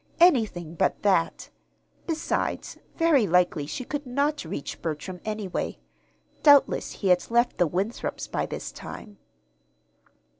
Anything but that! Besides, very likely she could not reach Bertram, anyway. Doubtless he had left the Winthrops' by this time.